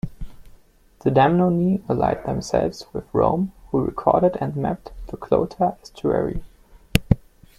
The Damnonii allied themselves with Rome who recorded and mapped the Clota estuary.